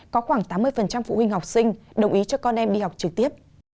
có khoảng tám mươi phụ huynh học sinh đồng ý cho con em đi học trực tiếp